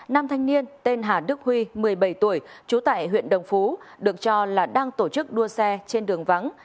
nam thanh niên tên hà đức huy một mươi bảy tuổi trú tại huyện đồng phú được cho là đang tổ chức đua xe trên đường vắng